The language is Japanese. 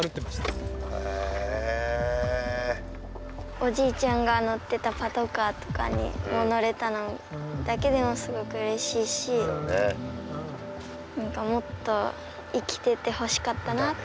おじいちゃんが乗ってたパトカーとかに乗れたのだけでもすごくうれしいし何かもっと生きててほしかったなって。